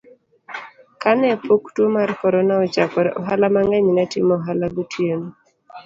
Kane pok tuwo mar Corona ochakore, ohala mang'eny ne timo ohala gotieno,